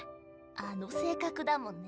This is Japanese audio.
あの性格だもんね。